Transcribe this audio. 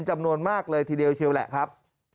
จำนวนมากเลยทีเดียวเชียวแหละครับ